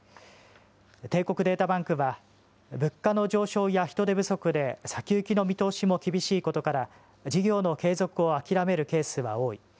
帝国データバンクは、物価の上昇や人手不足で先行きの見通しも厳しいことから、事業の継続を諦めるケースは多い。